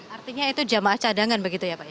artinya itu jamaah cadangan begitu ya pak ya